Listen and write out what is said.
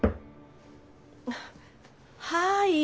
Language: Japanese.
はい。